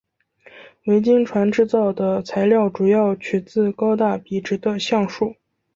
维京船制造的材料主要取自高大笔直的橡树。